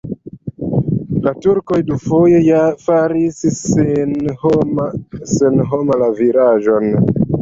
La turkoj dufoje faris senhoma la vilaĝon.